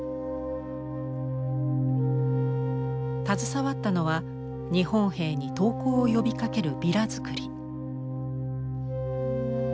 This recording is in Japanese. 携わったのは日本兵に投降を呼びかけるビラ作り。